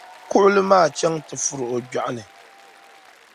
kuɣili maa chaŋ ti furi o gbɛɣu ni.